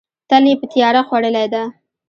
تل یې په تیاره خوړلې ده.